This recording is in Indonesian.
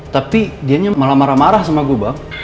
tapi dianya malah marah marah sama gue bang